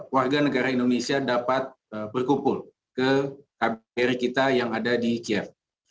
warga negara indonesia dapat berkumpul ke kbri kita yang ada di kiev